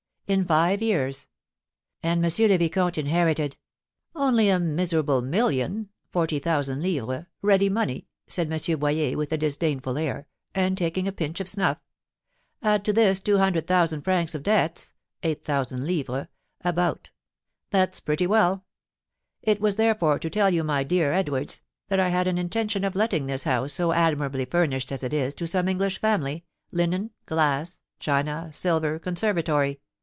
"In five years." "And M. le Vicomte inherited " "Only a miserable million (40,000_l._), ready money," said M. Boyer, with a disdainful air, and taking a pinch of snuff. "Add to this two hundred thousand francs of debts (8,000_l._), about that's pretty well! It was, therefore, to tell you, my dear Edwards, that I had an intention of letting this house, so admirably furnished as it is, to some English family, linen, glass, china, silver, conservatory.